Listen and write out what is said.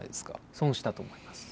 損したと思います。